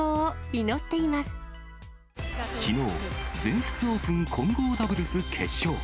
きのう、全仏オープン混合ダブルス決勝。